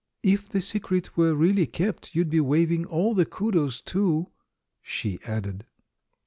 "If the secret were really kept, you'd be waiving all the kudos too," she added.